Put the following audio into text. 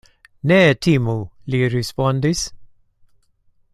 Ne timu, li respondis.